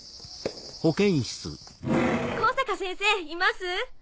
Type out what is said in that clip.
高坂先生います？